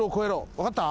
わかった？